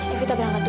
evita bilang gak jauh